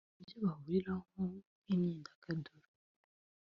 Ibyo bahuriraho nk’imyidagaduro